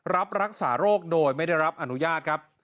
รับรักษาโรคโดยไม่ได้รับอนุญาตครับ